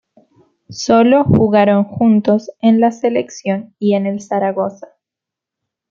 Sólo jugaron juntos en la Selección y en el Zaragoza.